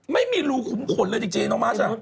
ไม่มีรูขุมขนเลยจริงน้องม้าช